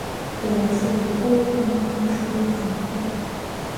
د ماشوم د خوب پر مهال شور کم کړئ.